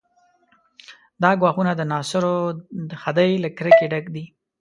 دا ګواښونه د ناصرو د خدۍ له کرکې ډک دي.